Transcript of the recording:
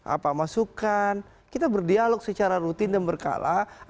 apa masukan kita berdialog secara rutin dan berkala